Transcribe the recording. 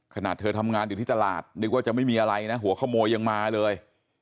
ขนาดเธอทำงานอยู่ที่ตลาดนึกว่าจะไม่มีอะไรนะหัวขโมยยังมาเลย